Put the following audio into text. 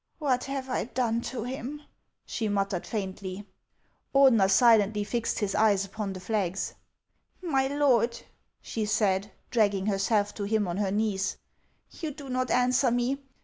" What have I done to him ?" she muttered faintly. Ordener silently fixed his eyes upon the flags. '• My lord," she said, dragging herself to him on her knees, " you do not answer me.